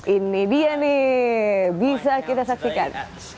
ini dia nih bisa kita saksikan